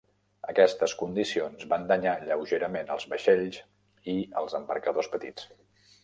Aquestes condicions van danyar lleugerament els vaixells i els embarcadors petits.